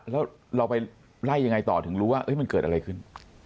แล้วเราไปไล่ยังไงต่อถึงรู้ว่ามันเกิดอะไรขึ้น